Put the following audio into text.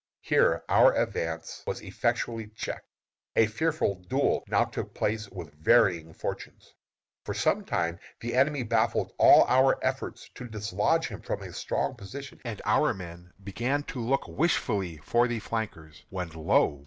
Here our advance was effectually checked. A fearful duel now took place with varying fortunes. For some time the enemy baffled all our efforts to dislodge him from his strong position, and our men began to look wishfully for the flankers, when lo!